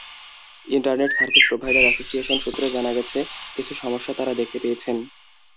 Internet service provider association সূত্রে জানা গেছে, কিছু সমস্যা তারা দেখতে পেয়েছেন।